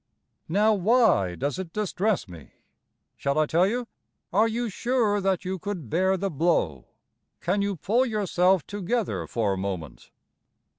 Now, why does it distress me? Shall I tell you? Are you sure that you could bear the blow? Can you pull yourself together for a moment?